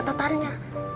tidak ada catatannya